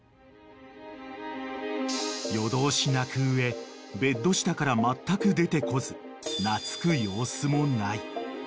［夜通し鳴く上ベッド下からまったく出てこず懐く様子もない］